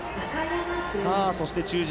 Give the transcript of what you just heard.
そして、中軸。